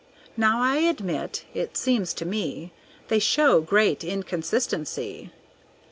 Now I admit it seems to me They show great inconsistency.